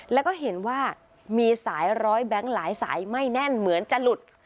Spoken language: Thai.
แล้วก็เห็นว่ามีสายร้อยแบงค์หลายสายไม่แน่นเหมือนจะหลุด